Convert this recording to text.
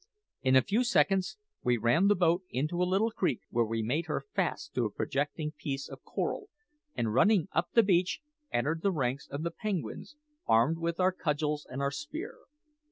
In a few seconds we ran the boat into a little creek, where we made her fast to a projecting piece of coral, and running up the beach, entered the ranks of the penguins, armed with our cudgels and our spear.